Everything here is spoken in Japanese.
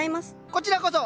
こちらこそ！